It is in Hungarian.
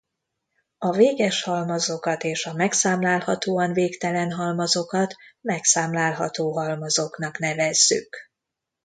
A véges halmazokat és a megszámlálhatóan végtelen halmazokat megszámlálható halmazoknak nevezzük.